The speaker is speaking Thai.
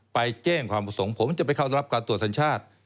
ไปแจ้งความประสงค์ผมจะไปเข้ารับการตรวจสัญชาติ